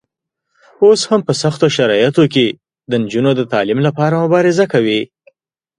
اوس هم په سختو شرایطو کې د نجونو د تعلیم لپاره مبارزه کوي.